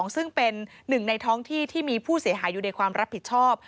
ซึ่งเป็นหนึ่งในท้องที่ที่มีผู้เสียหายอยู่ในความรับผิดชอบ